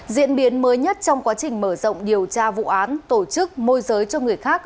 diễn biến mới nhất trong quá trình mở rộng điều tra vụ án tổ chức môi giới cho người khác